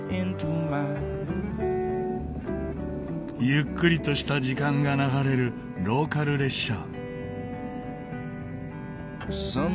ゆっくりとした時間が流れるローカル列車。